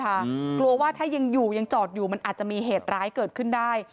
กลัวว่าถ้ายังอยู่ยังจอดอยู่มันอาจจะมีเหตุร้ายเกิดขึ้นได้